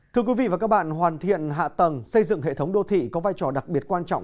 thưa quý vị và các bạn hoàn thiện hạ tầng xây dựng hệ thống đô thị có vai trò đặc biệt quan trọng